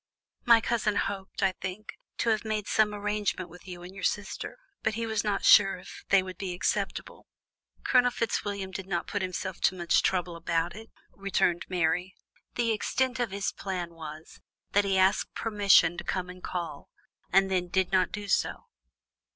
"My cousin hoped, I think, to have made some arrangements with you and your sister, but he was not sure if they would be acceptable." "Colonel Fitzwilliam did not put himself to much trouble about it," returned Mary. "The extent of his plans was, that he asked permission to come and call, and then did not do so."